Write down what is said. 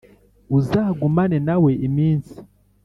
Uzagumane na we iminsi